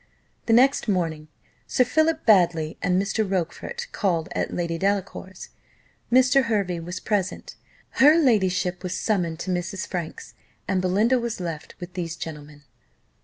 The next morning, Sir Philip Baddely and Mr. Rochfort called at Lady Delacour's Mr. Hervey was present her ladyship was summoned to Mrs. Franks, and Belinda was left with these gentlemen.